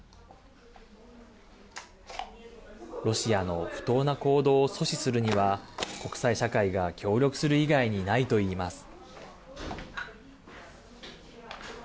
ロシアの不当な行動を阻止するには国際社会が協力する以外にないといいます。